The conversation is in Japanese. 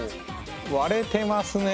割れてますね